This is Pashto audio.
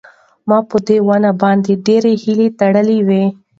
ما په دې ونې باندې ډېرې هیلې تړلې وې.